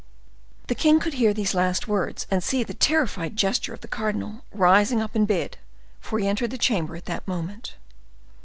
The king could hear these last words, and see the terrified gesture of the cardinal rising up in his bed, for he entered the chamber at that moment.